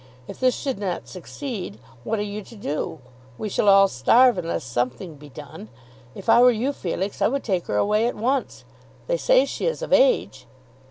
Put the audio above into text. If this should not succeed, what are you to do? We shall all starve unless something be done. If I were you, Felix, I would take her away at once. They say she is of age."